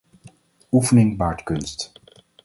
Oefening baart kunst.